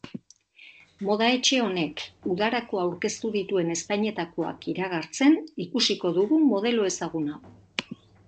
Moda etxe honek udarako aurkeztu dituen ezpainetakoak iragartzen ikudiko dugu modelo ezagun hau.